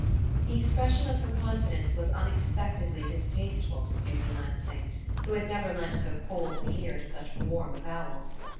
The expression of her confidence was unexpectedly distasteful to Susy Lansing, who had never lent so cold an ear to such warm avowals.